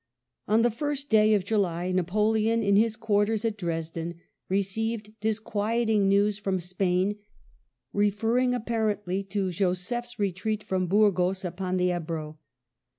On the first day of July Napoleon in his quarters at Dresden received disquieting news from Spain, refer ring apparently to Joseph's retreat from Burgos upon the Ebro.